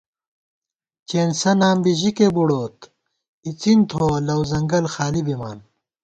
چېنسہ نام بی ژِکےبُڑوت ، اِڅِن تھوَہ لَؤ ځنگل خالی بِمان